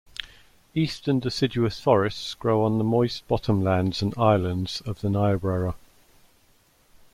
Eastern deciduous forests grow on the moist bottom lands and islands of the Niobrara.